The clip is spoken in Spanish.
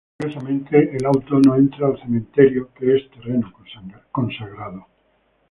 Curiosamente, el auto no entra al cementerio, que es terreno consagrado.